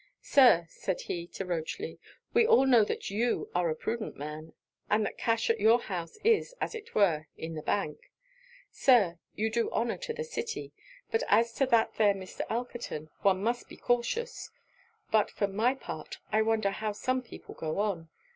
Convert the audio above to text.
'Sir,' said he to Rochely, 'we all know that you are a prudent man; and that cash at your house is, as it were, in the Bank. Sir, you do honour to the city; but as to that there Mr. Elkerton, one must be cautious; but for my part, I wonder how some people go on.